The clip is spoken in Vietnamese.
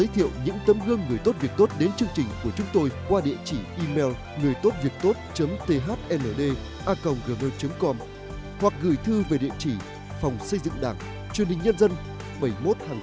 thì chú chắc chú mới bỏ được cái lớp học này